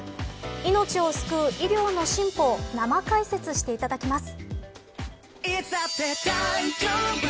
命を救う医療の進歩を生解説していただきます。